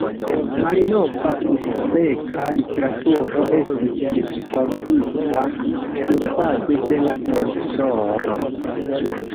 Malnova uzbeka literaturo estis disvolvita surbaze de la folkloro.